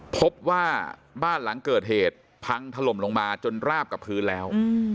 พบว่าบ้านหลังเกิดเหตุพังถล่มลงมาจนราบกับพื้นแล้ว